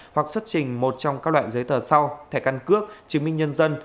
hoặc xuất trình một trong các loại giấy tờ sau thẻ căn cước chứng minh nhân dân